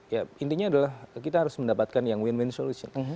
ya intinya adalah kita harus mendapatkan yang win win solution